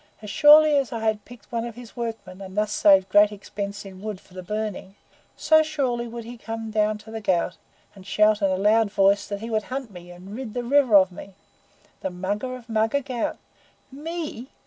As surely as I had picked up one of his workmen, and thus saved great expense in wood for the burning, so surely would he come down to the Ghaut, and shout in a loud voice that he would hunt me, and rid the river of me the Mugger of Mugger Ghaut! ME!